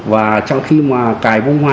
và trong khi mà cài bông hoa